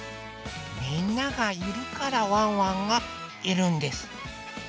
みんながいるからワンワンがいるんです。